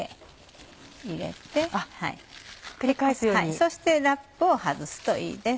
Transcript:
そしてラップを外すといいです。